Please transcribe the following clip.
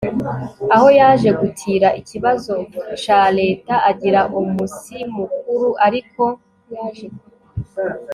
Aho yaje gutira ikibazo ca Leta… Agira umusimukuru ariko